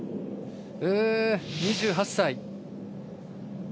２８歳。